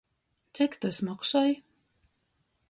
Cik tys moksoj?